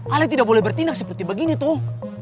kalian tidak boleh bertindak seperti begini tuh